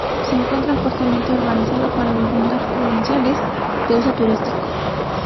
Se encuentra fuertemente urbanizado para viviendas residenciales de uso turístico.